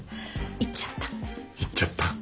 言っちゃった。